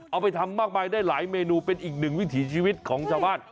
เอาไปทำมากมายได้หลายเมนูเป็นอีกหนึ่งวิถีชีวิตของชาวบ้าน